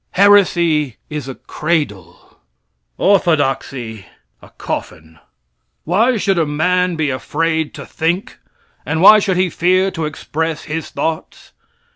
Heresy is a cradle; orthodoxy a coffin. Why should a man be afraid to think, and why should he fear to express his thoughts?